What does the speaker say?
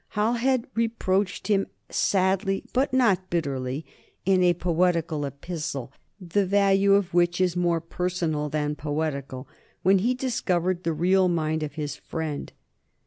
Halhed reproached him sadly, but not bitterly, in a poetical epistle, the value of which is more personal than poetical, when he discovered the real mind of his friend.